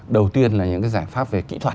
đầu tiên là những cái giải pháp về kỹ thuật